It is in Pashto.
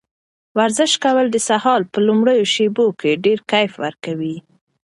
ورزش کول د سهار په لومړیو شېبو کې ډېر کیف ورکوي.